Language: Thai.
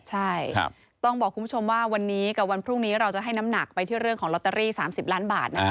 ใช่ต้องบอกคุณผู้ชมว่าวันนี้กับวันพรุ่งนี้เราจะให้น้ำหนักไปที่เรื่องของลอตเตอรี่๓๐ล้านบาท